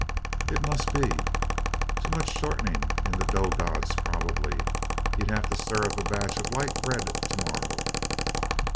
It must be. Too much shortening in the dough gods probably. He'd have to stir up a batch of light bread to morrow.